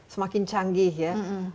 semakin canggih ya